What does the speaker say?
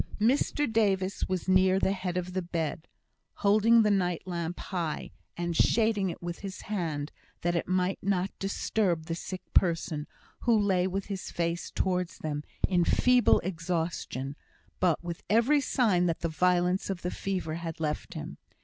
Mr Davis was near the head of the bed, holding the night lamp high, and shading it with his hand, that it might not disturb the sick person, who lay with his face towards them, in feeble exhaustion, but with every sign that the violence of the fever had left him.